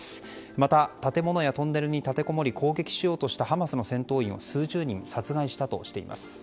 また、建物やトンネルに立てこもり攻撃しようとしたハマスの戦闘員を数十人殺害したとしています。